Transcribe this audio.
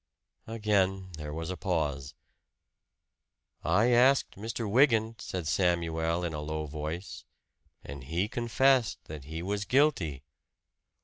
Again there was a pause. "I asked Mr. Wygant," said Samuel in a low voice. "And he confessed that he was guilty."